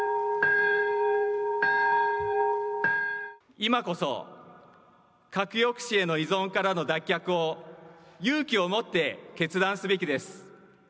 今こそ、核抑止への依存からの脱却を、勇気を持って決断すべきです。